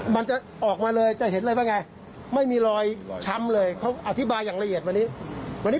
มันจะออกมาเลยจะเห็นเลยว่าไงไม่มีรอยช้ำเลยเขาอธิบายอย่างละเอียดวันนี้